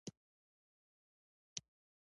د کار صداقت عزت راوړي.